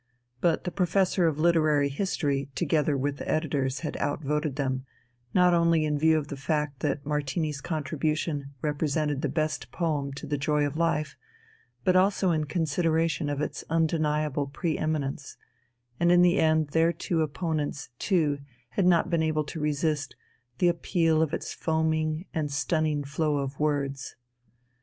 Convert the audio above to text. But the Professor of Literary History together with the editors had out voted them, not only in view of the fact that Martini's contribution represented the best poem to the joy of life, but also in consideration of its undeniable pre eminence, and in the end their two opponents too had not been able to resist the appeal of its foaming and stunning flow of words.